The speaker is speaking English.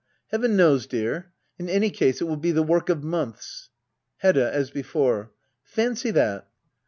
Heaven knows, dear. In any case it will be the work of months. Hedda. \As before.] Fancy that